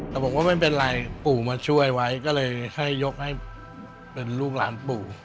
แต่บอกว่าไม่เป็นไรปู่มาช่วยไว้ก็เลยให้ยกให้เป็นลูกหลานปู่